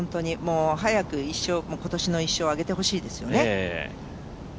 早く今年の１勝を挙げてほしいですよね。